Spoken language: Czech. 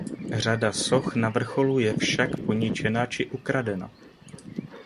Řada soch na vrcholu je však poničena či ukradena.